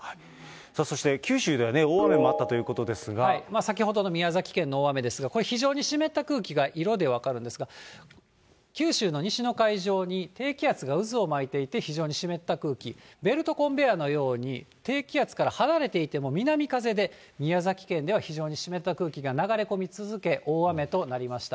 さあそして九州ではね、大雨もあったということですが、先ほどの宮崎県の大雨ですが、これ非常に湿った空気が色で分かるんですが、九州の西の海上に低気圧が渦を巻いていて、非常に湿った空気、ベルトコンベアのように、低気圧から離れていても、南風で、宮崎県では非常に湿った空気が流れ込み続け、大雨となりました。